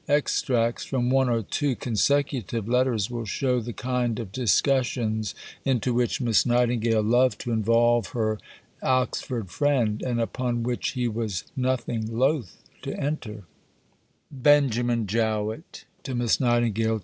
Extracts from one or two consecutive letters will show the kind of discussions into which Miss Nightingale loved to involve her Oxford friend, and upon which he was nothing loath to enter: (_Benjamin Jowett to Miss Nightingale.